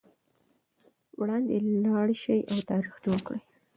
وړاندې لاړ شئ او تاریخ جوړ کړئ.